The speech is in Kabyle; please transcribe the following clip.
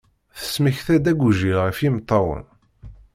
Tesmekta-d agujil ɣef yimeṭṭawen.